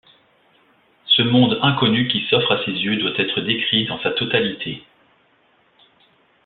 Ce monde inconnu qui s'offre à ses yeux doit être décrit dans sa totalité.